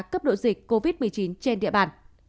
cấp độ dịch covid một mươi chín trên địa bàn